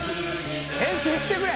返信してくれ！